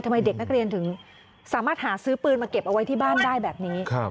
เด็กนักเรียนถึงสามารถหาซื้อปืนมาเก็บเอาไว้ที่บ้านได้แบบนี้